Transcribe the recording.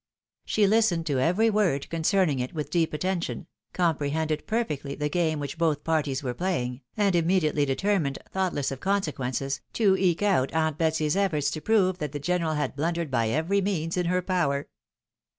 She Hstened to every word concerning it with deep attention, comprehended perfectly the game which both parties were playing, and immediately determined, thoughtless of consequences, to eke out aunt Betsy's efforts to prove that the general had blundered by every means in her power.